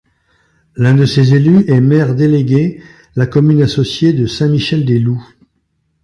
L'un de ces élus est maire délégué la commune associée de Saint-Michel-des-Loups.